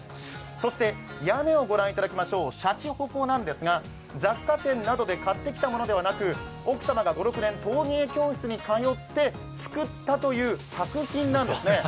そして屋根はしゃちほこなんですが、雑貨店などで買ってきたものではなく、奥様が５６年、陶芸教室に通って作った作品なんですね。